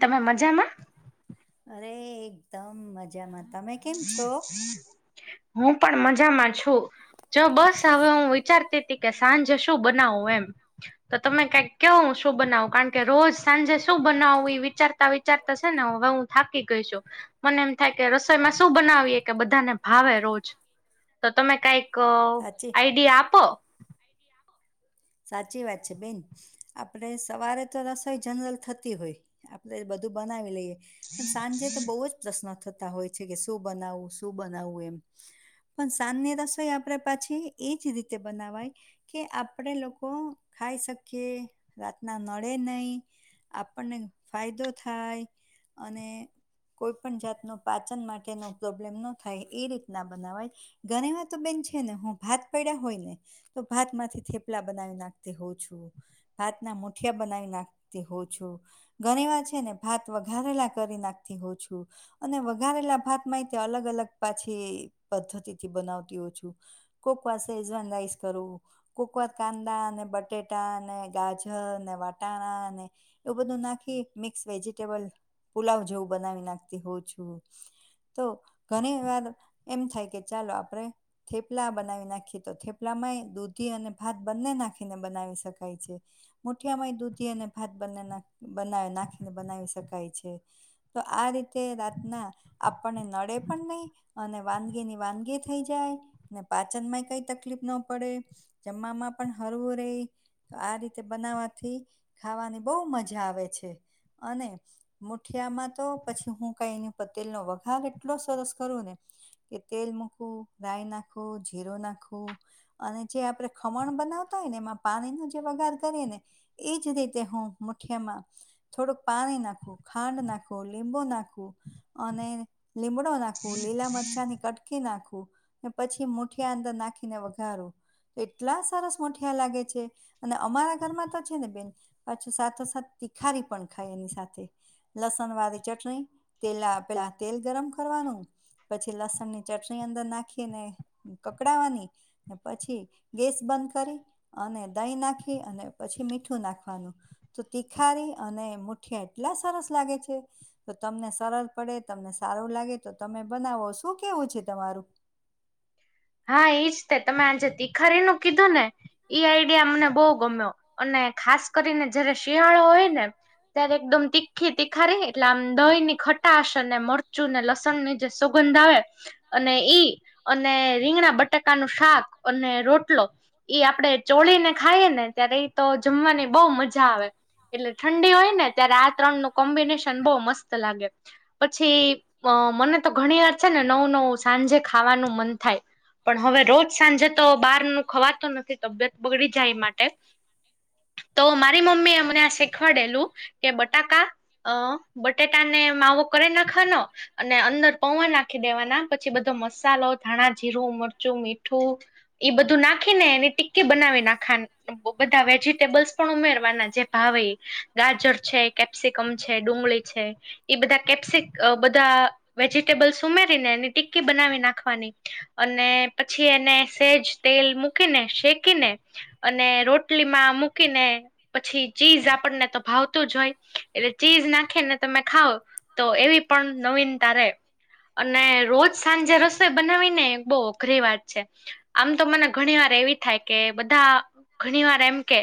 તમે મજામાં? અરે, એકદમ મજામાં તમે. કેમ છો હું પણ મજામાં છું. જો, બસ હવે હું વિચારતી હતી કે સાંજે શું બનાવું એમ. તો તમે કંઇક કેવો, હું શું બનાવું? કારણ કે રોજ સાંજે શું બનાવું એ વિચારતા વિચ વિચારતા સે ને હવે હું થાકી ગઈ છું, મને એમ થાય કે રસો સોઇમાં શું બનાવીએ કે બધાને ભાવે? રોજ તો તમે કાઈક ક સાચી આઈડીયા આપો. સાચી વાત છે બેન, આપડે સવારે તો રસોઈ જનરલ થતી હોય. આપડે બધું બનાવી લઈએ, પણ સાંજે તો બોવ જ. પ્રશ્નો થતા હોય છે કે, શું બનાવું, શું બનાવું એમ. પન સાંજની રસોઈ આપડે પાછી એજ રીતે બનાવાય કે આપ આપડે લોકો ખાઈ શકીએ રાતના નડે નય આપનને ફાયદો થાય અને કોઈ પન જાતનો પાચન માટેનો પ્રોબ્લેમ ન થાય એ રીતના બનાવાય. ઘણીવાર તો બેન છે ને હું ભાત પયડા હોય ને તો ભાત માંથી થેપ પલા બનાવી નાખતી હોઉ છું. ભાતના મુઠિયા બનાવી નાખતી હોઉ છું. ગણીવાર છે ને ભાત વઘારેલા કરી નાખતી હોઉ છું. અને વઘારેલા ભાત માંય તે અલગ અલગ પાછી પદ્ધતિથી બનાવતી હોઉ છું. કોક વાર સેઝવાન રાઈસ કરું. કોક વાર કાંદા ને, બટેટા ને, ગાજર ને, વટાણા ને એવું બધું નાખી મિક્સ વેજીટેબલ પુલાવ જેવું બનાવી નાખતી હોઉ છું. તો ઘણી વાર એમ થાય કે ચાલો આપણે થેપલા બનાવી નાખીએ તો થેપલા માંય દૂધી અને ભાત બંને નાખીને બનાવી શકાય છે. મુઠિયામાંય દૂધી અને ભાત બંને નાખ બનાવી નાખીને બનાવી શકાય છે. તો આ રીતે રાતના આપણને નડે પણ નઇ અને વાનગી ની વાનગી થઈ જાય ને પાચન માંય કઈ તકલીફ ન પડે જમવામાં પણ હરવું રેય આ રીતે બનાવાથી ખાવાની બઉ મઝા આવે છે. અને મુઠિયામાં તો પછી હું કઈ એની ઉપર તેલનો વઘાર એટલો સરસ કરું ને કે તેલ મૂકવું, રાય નાખવું, જીરો નાખવું અને જે આપણે ખમણ બનાવતા હોય ને એમાં પાનીનો જે વઘાર કરીએ ને એજ રીતે હું મુઠિયામાં થોડુંક પાણી નાખવું, ખાંડ નાખું, લીંબુ નાખું અને લીમડો નાખું, લીલા મરચા ની કટ કે નાખું ને પછી મુઠિયા અંદર નાખીને વઘારું. એટલા સરસ મુઠિયા લાગે છે અને અમારા ઘરમાં તો છે ને બેન પાછું સાથો સાથે તિખારી પણ ખાય એની સાથે. લસન વારી ચટણી તેલા પેલા તેલ ગરમ કરવાનું પછી લસણ ની ચટણી અંદર નાખીને કકડાવાની ને પછી ગેસ બંધ કરી અને દહીં નાખી અને પછી મીઠું નાખવાનું. તો તિખારી અને મુઠિયા એટલા સરસ લાગે છે. તો તમને સરલ પડે તમને સારું લાગે તો તમે બનાવો. શું કેવું છે તમારું? હા ઇજ તે તમે આજે તીખરીનું કીધું ને ઈ આઈડિયા મને બઉ ગમ્યો અને ખાસ કરીને જયારે શિયાળો હોય ને ત્યારે એકદમ તીખ્ખી તીખારી એટલે આમ દઇ ની ખટાશ અને મરચું ને લસણ ની જે સોગંધ આવે અને ઈ અને રીંગણા બટાકા નું શાક અને રોટલો ઇ આપડે ચોળી ને ખાઈએ ને ત્યારે ઇ તો જમવાની બાઉ મઝા આવે. એટલે ઠંડી હોય ને ત્યારે આ ત્રણ નું કોમ્બિનેશન બોઉ મસ્ત લાગે. પછી અ મને તો ઘણી વાર છે ને નવું નવું સાંજે ખાવાનું મન થાય. પણ હવે રોજ સાંજે તો બહાર નું ખવાતું નથી તબિયત બગડી જાય એ માટે. તો મારી મમ્મી એ અમને આ શીખવાડેલું કે બટાકા અ બટેટા ને માવો કરી નાખવાનો અને અંદર પૌઆ નાખી દેવાના પછી બધો મસાલો ધાણા જીરું, મરચું, મીઠું એ બધું નાખી ને એને ટીકી બનાવે નાખાની. બઉ બધા વેજીિટેબલ્સ પણ ઉમેરવાના જે ભાવે ગાજર છે કે કેપ્સિકમ છે, ડુંગળી છે એ બધા કેપસિક બધા વેજીિટેબલસ ઉમેરીને એની ટીકી બનાવી નાખવાની. અને પછી એને સેજ તેલ મૂકીને શેકીને અને રો ટલીમાં મૂકીને પછી ચીઝ આપણને તો ભાવતું જ હોય એટલે ચીઝ નાખીને તમે ખાવ. તો એવી પણ નવીનતા રે અને રોજ સાંજે રસોઈ બનાવી ને. બહુ અઘરી વાત છે. આમ તો મને ઘણી વાર એવી થાય કે બધા ઘણી વાર એમ કે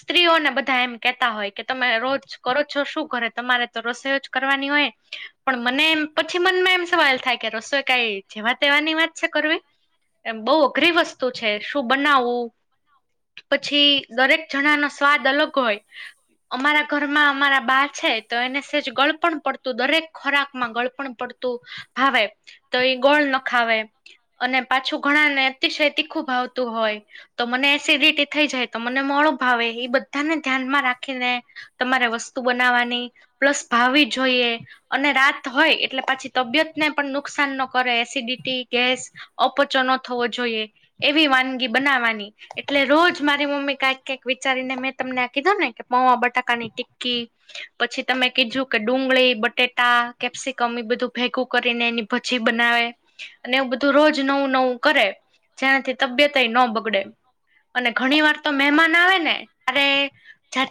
સ્ત્રીઓને બધા એમ કેતા હોય કે તમે રોજ કરો છો શું કરે તમારે તો રસોઈ જ કરવાની હોય. પણ મને એમ પછી મનમાં એમ સવાલ થાય કે રસોઈ કઈ જેવા તેવાની વાત. છે કરવી બઉ અઘરી વસ્તુ છે શું બનાવવું. પછી દરેક જણા નો સ્વાદ અલગ હોય. અમારા ઘરમાં અમારા બા છે તો એને સેજ ગળપણ પડતું દરેક ખોરાક માં ગળ પણ પડતું ભાવે તો એ ગોળ નખાવે. અને પાછું ઘણા ને અતિશય તીખું ભાવતું હોય. તો મને એસિડિટી થઈ જાય તો મને મોળુ ભાવે એ બધાને ધ્યાનમાં રાખીને. તમારે વસ્તુ બનાવવાની પ્લસ ભાવવી જોઈએ. અને રાત હોય એટલે પાછી તબિયત ને પણ નુકસાન ન કરે એસિડિટી. ગેસ, અપચો ન થવો જોઈએ એવી વાનગી બનાવવાની. એટલે રોજ મારી મમ્મી કાંઈક કઈક વિચારીને મેં તમને આ કીધું ને કે પવા બટાકાની ટી્કી. [inaudible] પછી તમે કીધું કે ડુંગળી બટેટા કેપ્સિકમ એ બધું ભેગું કરીને એની ભજી બનાવે. અને એવું બધું રોજ નવું નવું કરે જેનાથી તબિયતય ન બગડે. અને ઘણી વાર તો મહેમાન આવે ને ત્યારે.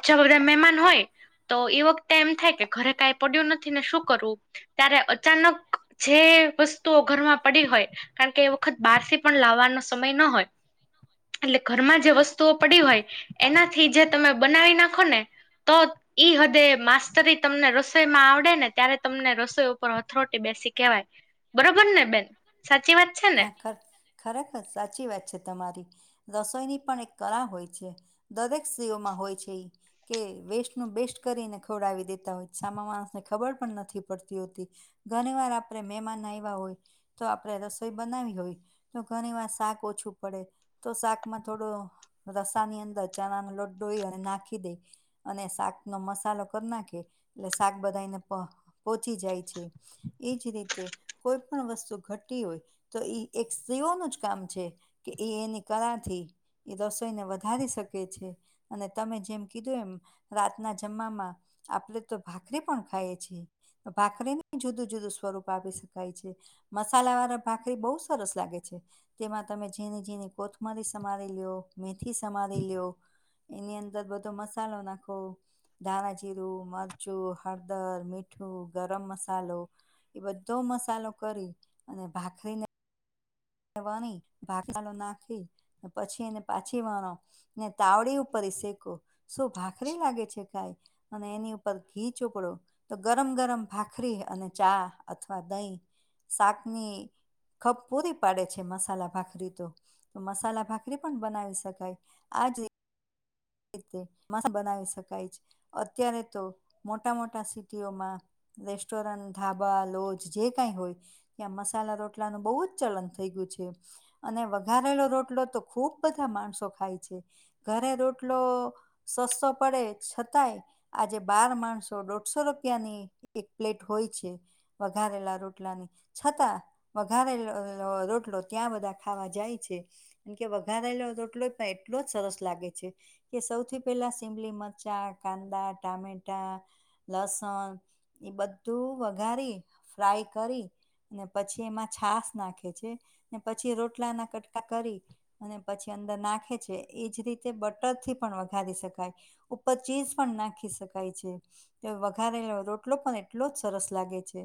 જવરે મહેમાન હોય તો એ વખતે એમ થાય કે ઘરે કાંઈ પડ્યું નથી ને શું કરવું. ત્યારે અચાનક જે વસ્તુઓ ઘરમાં પડી હોય કારણ કે એ વખત બહાર થી પણ લાવવાનો સમય ન હોય. એટલે ઘરમાં જે વસ્તુઓ પડી હોય એનાથી જે તમે બનાવી નાખો ને. તોત. ઈ હદે માસ્ટતરી તમને રસોઈમાં આવડે ને ત્યારે તમને રસોઈ ઉપર હથરોટી બેસી કેહેવાય. બરોબર ને બેન સાચી વાત. છે ને હા ખર ખરેખર સાચી વાત છે તમારી. રસોઈની પણ એક કલા હોય છે દરેક સ્ત્રીઓમાં હોય છે એ કે વેસ્ટનું બેસ્ટ કરીને ખવડાવી દેતા હોય સામા માણસને ખબર પણ નથી પડતી હોતી. ઘણી વાર આપણે મહેમાન આવ્યા હોય તો આપડે રસ રસોઈ બનાવી હોય તો ઘણી વાર શાક ઓછું પડે. તો શાકમાં થોડો રસાની અંદર ચણા ન લોટ ડોઈ અને નાખી દે. અને શાક નો મસાલો કરી નાખે એટલે શાક બધાને પોચી જાય છે. એજ રીતે કોઈ પણ વસ્તુ ઘટી હોય. તો એક સ્ત્રીઓનું જ કામ છે કે એ એની કળાથી. એ રસોઈને વધારી શકે છે. અને તમે જેમ કીધું એમ રાતના જમવામાં. આપડ તો ભાખરી પણ ખાઈએ છીએ. તો ભાખરીને જુદું-જુદું સ્વરૂપ આપી શકાય છે મસાલા વાળા ભાખરી બહુ સરસ લાગે છે. તેમાં તમે ઝીની ઝીની કોથમરી સમારી લિયો મેથી સમારી લિયો. એની અંદર બધો મસાલો નાખો. દાનાજીીરું, મરચું, હળદર, મીઠું, ગરમ મસાલો એ બધો મસાલો કરી અને ભાખરીને. વણી ભાગાલો નાખી પછી એને પાછી વણો. ને તાવડી ઉપર શેકો શું ભાખરી લાગે છે કાઈ. અને એની ઉપર ઘી ચોકડો તો ગરમ ગરમ ભાખરી અને ચા અથવા દહીં. શાકની ખપ પૂરી પાડે છે, મસાલા ભાખરી તો મસાલા ભાખરી પણ બનાવી શકાય આજ મસ્ત બનાવી શકાય છે, અત્યારે તો મોટા મોટા સિટીઓમાં. રેસ્ટોરન્ટ ધાબા લોજ જે કઈ હોય. ત્યાં મસાલા રોટલાનું બહુ જ ચલન થઇ ગયું છે. અને વઘારેલો રોટલો તો ખુબ બધા માણસો ખાય છે, ઘરે રોટલો. [inaudible] આજે બાર માણસો દોઢસો રૂપિયાની એક પ્લેટ હોય છે. [unintelligible] રોટલાની છતાં. વઘારે [unintelligible] રોટલો ત્યાં બધા ખાવા જાય છે. એ કે વઘારલોય તો એટલો પણ એટલો જ સરસ લાગે છે. કે સૌથી પહેલા સિમલી મરચા કાંદા ટામેટા લસણ. એ બધું વઘારી ફ્રાય કરી. ને પછી એમાં છાસ નાખે છેને પછી રોટલા ના કટકા કરી. અને પછી અંદર નાખે છે, એજ રીતે બ થી પણ વઘારી શકાય ઉપર ચીજ પણ નાખી શકાય છે. વઘારે રોટલો પણ એટલો જ સરસ લાગે છે,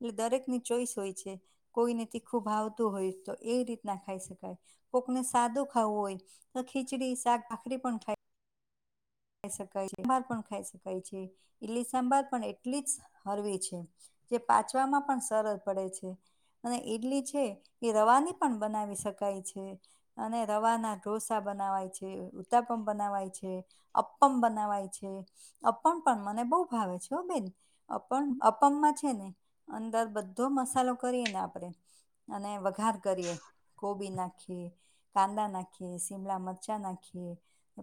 એટલે દરેકની ચોઈસ હોય છે. કોઈને તીખુંબાવતું હોય તો એવી રીત ના ખાઈ શકાય. કોકને સાદું ખાવું હોય તો ખીચડી શાક ભાખરી પણ ખાય. ખાઈ સકાય છે, [unintelligible] પણ ખાઈ શકાય છે, ઈલી સાંભાર પણ એટલી જ હળવે છે. જે પાછવામાં પણ સરજ પડે છે. અને ઈડલી છે, એ રવાની પણ બનાવી શકાય છે. અને રવાના ઢોસા બનાવાય છે, ઉત્તાપમ બનાવાય છે. અપ્પમ બનાવાય છે. અપન પણ મને બહુ ભાવે છે, ઓ બેન અપ અપમમાં છે, ને. અંદર બધો મસાલો કરીએ ને આપડે. અને વઘાર કરીએ કોબી નાખીએ. કાંદા નાખીએ સીમલા મરચા નાખીએ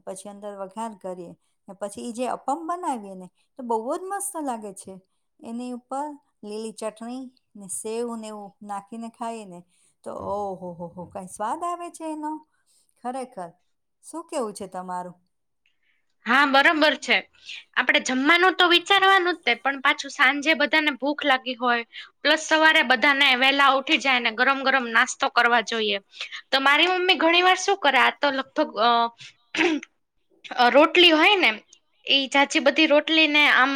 પછી અંદર વઘાર. કરીએ પછી એ જે અપમ બનાવીએ ને તો બહુ જ મસ્ત લાગે છે. એની ઉપર લીલી ચટણી ને સેવ ને એવું નાખીને ખાઈ ને. તો ઓહો હો હો કઈ સ્વાદ આવે છે, એનો. ખરેખર શું કેવું છે, તમારું. હા બરોબર છે, આપડે જમવાનું તો વિચારવાનું જ તે પણ પાછું. સાંજે બધાને ભૂખ લાગી હોય. પ્લસ સવારે બધાને વેલા ઉઠી જાય ને ગરમ ગરમ નાસ્તો કરવા જોઈએ. તો મારી મમ્મી ઘણી વાર શું કરે આ તો લગતો. રોટલી હોય ને [inaudible] બધી રોટલી ને આમ.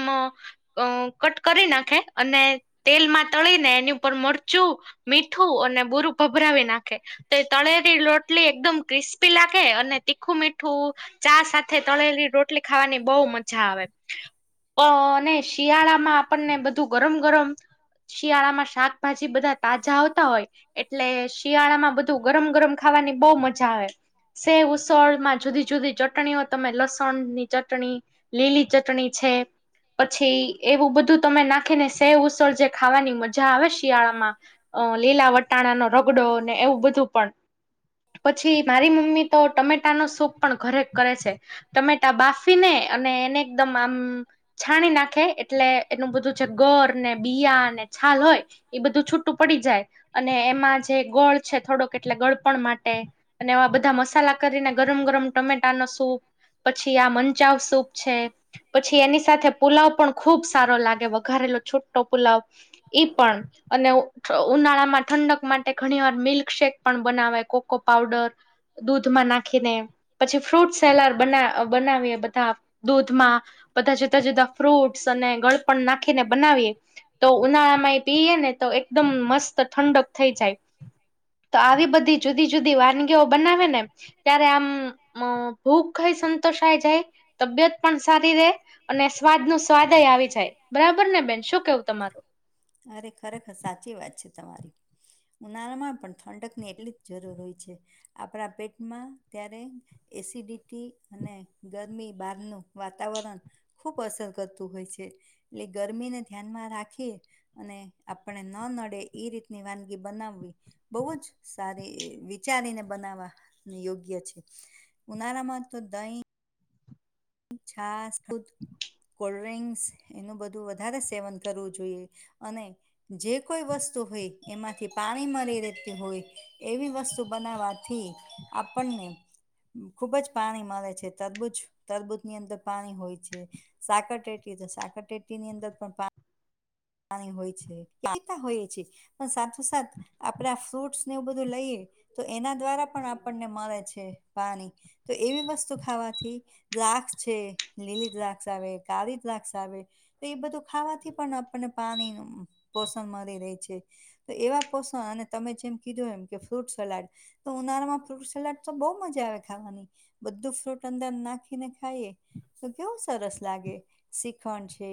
અ કટ કરી નાખે અને તેલમાં તળીને એની ઉપર મરચું. મીઠું અને બુરું ભભરાવી નાખે. તો તળેરી રોટલી એકદમ ક્રિસ્પી લાગે અને તીખું મીઠું ચા સાથે. તળેલી રોટલી ખાવાની બહુ મજા આવે. અ અને શિયાળા માં આપણને બધું ગરમ ગરમ. શિયાળામાં શાકભાજી બધા તાજા આવતા હોય એટલે શિયાળામાં બધ ગરમ ગરમ ખાવાની બહુ મજા આવે સેવઉસળમાં જુદી જુદી ચટણીઓ. તમે લસણની ચટણી લીલી ચટણી છે. પછી એવું બધું તમે નાખી ને સેવઉસળ જે ખાવાની મજા આવે શિયાળામાં. અ લીલા વટાણાનો રગડો ને એવું બધું પણ પછી મારી [unintelligible] ની તો ટમેટા નો સૂપ પણ ઘરે કરે છે. ટમેટા બાફીને અને એને એકદમ આમ છાણી નાખે એટલે એનું બધું. ગોર ને બીયા ને છાલ હોય. એ બધું છૂટું પડી જાય અને એમાં જે ગોળ છે, થોડોક એટલે ગળપણ માટે. અને એવા બધા મસાલા કરીને ગરમ ગરમ ટમેટા નુ સૂપ. પછી આ મંચાવસૂપ છે પછી એની સાથે પુલાવ પણ ખુબ સારો લાગે વઘારેલો છુટો પુલાવ ઈ પણ અને ઉનાળા માં ઠંડક માટે ઘણી વાર મિલ્કશેેક પણ બનાવાય કો કો પાવડર દૂધમાં નાખીને પછી ફ્રૂટ સલા બના બનાવીએ બધા દૂધમાં બધા જુદા જુદા ફ્રૂટસ અને ગળપણ નાખીને બનાવીએ. તો ઉનાળામાં એ પીએ ને તો એકદમ મસ્ત ઠંડક થઈ જાય. તો આવી બધી જુદી-જુદી વાનગીઓ બનાવે ને ત્યારે આમ ભૂખ સંતોષાય જાય તબિયત પણ સારી રે. અને સ્વાદ ન સ્વાદય આવી જાય બરાબર ને બેન શું કેવું તમારું. અરે ખરેખર સાચી વાત છે તમારી ઉનાળામાં પણ ઠંડક ની એટલી જરૂર હોય છે આપણા પેટમાં ત્યારે એસિડિટી અને ગરમી બહારનું વાતાવરણ. ખૂબ અસર કરતું હોય છે એટલે ગરમીને ધ્યાનમાં રાખી. અને આપણે ન નડે એ રીતની વાનગી બનાવવી બહુ જ. સારી વિચારીને બનાવવા યોગ્ય છે ઉનાળામાં તો દહીં છાસ, દૂધ. કોલ્ડડ્રિક્સ એનું બધું વધારે સેવન કરવું જોઈએ અને જે કોઈ વસ્તુ હોય એમાંથી પાણી મળી રહેતી હોય એવી વસ્તુ બનાવાથી. આપણને ખુબ જ પાણી મળે છે. તરબૂજ તરબૂજ એની અંદર પાણી હોય છે સાકર ટેટી તો સાકર ટેટી ની અંદર પણ પા પાણી હોય છે પિયા હોય છે પણ સાથો સાથ આપણે આ ફ્રૂટ્સ ને એવું બધું લઈએ તો એના દ્વારા પણ આપણને મળે છે પાણી. તો એવી વસ્તુ ખાવાથી. દ્રાક્ષ છે લીલી દ્રાક્ષ આવે, કાળી દ્રાક્ષ આવે તો એ બધું ખાવાથી પણ આપને પાણીનું પોષણ મળી રહેે છે. તો એવા પોષણ અને તમે જેમ કીધું એમ કે ફ્રૂટ સલાડ- તો ઉનાળામાં ફ્રુટ સલાડ તો બહુ મજા આવે ખાવાની. બધું ફ્રૂટ અંદર નાખીને ખાઈએ. તો કેવું સરસ લાગે શ્રીખંડ છે,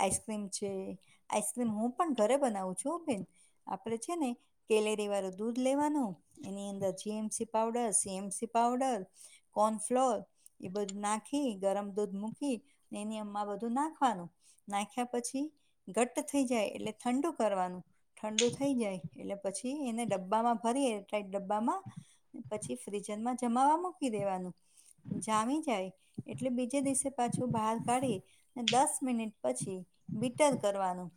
આઈસક્રીમ છે. આઈસ્ક્રીમ હું પણ ઘરે બનાવું છું બેન આપડે છે ને. કેલેરી વાળું દૂધ લેવાનું એની અંદર GMC powder CMC powder cornflour એ બધું નાખી ગરમ દૂધ મૂકી એની અમમાં બધું નાખવાનું. નાખ્યા પછી ઘટ્ટ થઈ જાય એટલે ઠંડુ કરવાનું. ઠંડુ થઈ જાય એટલે પછી એને ડબ્બામાં ભરી એટલે ડબ્બામાં પછી ફ્રિજરમાં જમાવા મૂકી દેવાનું જામી જાય. એટલે બીજે દિવસે પાછું બહાર કાઢી દસ મિનિટ પછી સ્ટર કરવાનું.